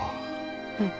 うん。